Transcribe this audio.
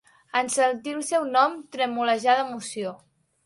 En sentir el seu nom tremolejà d'emoció.